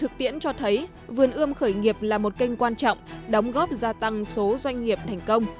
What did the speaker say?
thực tiễn cho thấy vườn ươm khởi nghiệp là một kênh quan trọng đóng góp gia tăng số doanh nghiệp thành công